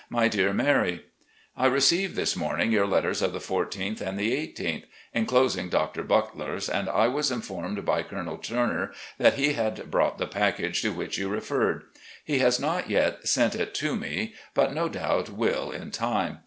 "My Dear Mary: I received this morning your letters of the 14th and i8th, inclosing Dr. Buckler's, and was informed by Colonel Turner that he had brought the package to which you referred. He has not yet sent it to me, but, no doubt, will in time.